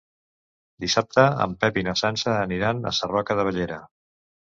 Dissabte en Pep i na Sança aniran a Sarroca de Bellera.